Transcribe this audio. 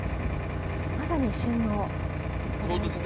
まさに旬の素材で。